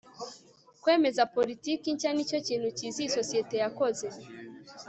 kwemeza politiki nshya nicyo kintu cyiza iyi sosiyete yakoze